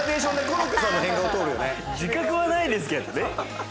自覚はないですけれどもね。